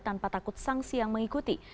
tanpa takut sanksi yang mengikuti